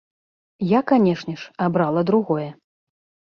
Я, канешне ж, абрала другое.